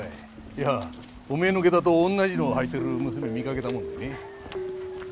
いやお前の下駄とおんなじのを履いてる娘を見かけたもんでね。